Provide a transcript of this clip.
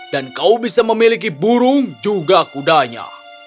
dan kau bisa memiliki burung juga kudanya